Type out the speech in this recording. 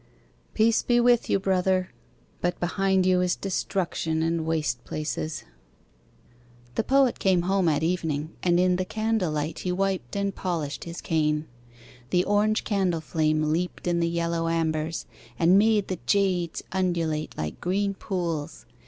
Peace be with you, Brother. But behind you is destruction, and waste places. The Poet came home at evening, And in the candle light He wiped and polished his cane. The orange candle flame leaped in the yellow ambers, And made the jades undulate like green pools.